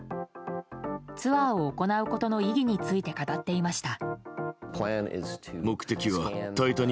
ツアーを行うことの意義について語っていました。